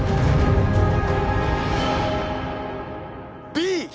Ｂ！